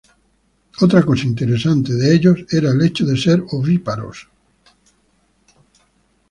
Otra cosa interesante de ellos era el hecho de ser ovíparos.